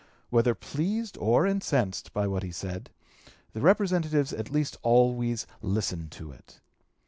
Whether pleased or incensed by what he said, the Representatives at least always listened to it.